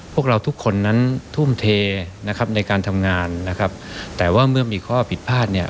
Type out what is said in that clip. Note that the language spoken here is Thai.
พวกเราทุกคนนั้นทุ่มเทนะครับในการทำงานนะครับแต่ว่าเมื่อมีข้อผิดพลาดเนี่ย